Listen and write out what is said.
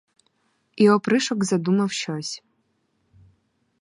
І опришок задумав щось.